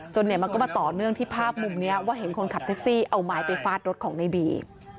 เนี่ยมันก็มาต่อเนื่องที่ภาพมุมนี้ว่าเห็นคนขับแท็กซี่เอาไม้ไปฟาดรถของในบี